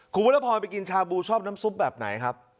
คุณวรพรไปกินชาบูชอบน้ำซุปแบบไหนครับ